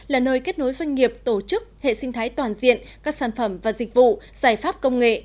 là nơi kết nối doanh nghiệp tổ chức hệ sinh thái toàn diện các sản phẩm và dịch vụ giải pháp công nghệ